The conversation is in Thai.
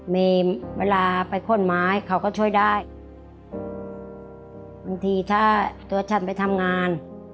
มีเวลาไปขนไม้เขาก็ช่วยได้บางทีถ้าตัวฉันไปทำงาน